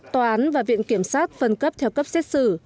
tòa án và viện kiểm sát phân cấp theo cấp xét xử